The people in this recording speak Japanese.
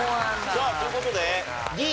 さあという事でＤ。